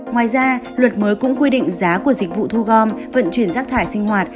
ngoài ra luật mới cũng quy định giá của dịch vụ thu gom vận chuyển rác thải sinh hoạt